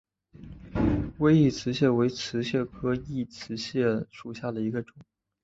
微异瓷蟹为瓷蟹科异瓷蟹属下的一个种。